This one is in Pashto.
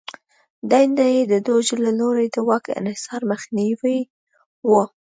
دنده یې د دوج له لوري د واک انحصار مخنیوی و